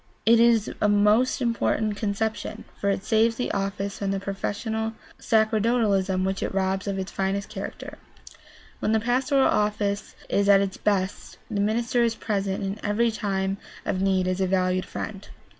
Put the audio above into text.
It is a most important conception, for it saves the office from the professional sacerdotalism which robs it of its finest character. When the pastoral office is at its best the minister is present in every time of need as a valued friend.